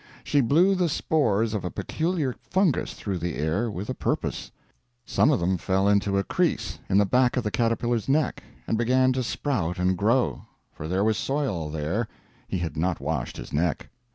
She blew the spores of a peculiar fungus through the air with a purpose. Some of them fell into a crease in the back of the caterpillar's neck, and began to sprout and grow for there was soil there he had not washed his neck.